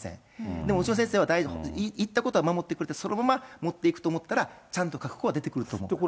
でも、うちの先生は言ったことは守ってくれて、そのまま持っていくと思ったらちゃんと書く子は出てくると。